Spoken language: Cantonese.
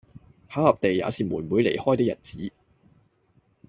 巧合地也是妹妹離開的日子，